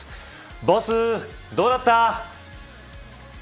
ボス、どうだった。